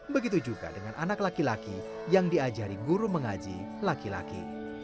begitu juga dengan anak laki laki yang diajari guru mengaji laki laki